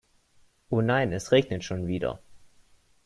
Oh, nein, es regnet schon wieder.